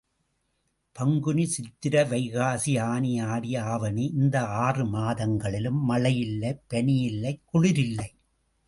பங்குனி சித்திரை வைகாசி ஆனி ஆடி ஆவணி இந்த ஆறு மாதங்களிலும் மழையில்லை, பனியில்லை, குளிரில்லை.